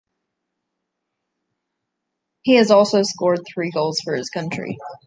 He has also scored three goals for his country.